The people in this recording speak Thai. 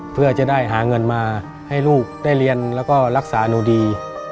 เพื่อจะได้หาเงินมาให้ลูกได้เรียนแล้วก็รักษาหนูดี